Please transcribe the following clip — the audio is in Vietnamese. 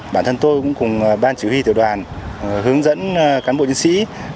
bản thân tôi cũng cùng ban chỉ huy tiểu đoàn hướng dẫn cán bộ chiến sĩ